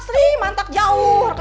saya tidak jauh